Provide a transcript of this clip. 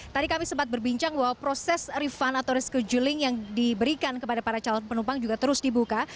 tadi kami sempat berbincang bahwa proses refund atau resculing yang diberikan kepada para calon penumpang juga terus dibuka